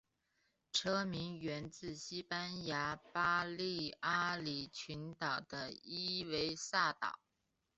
车名源自西班牙巴利阿里群岛的伊维萨岛。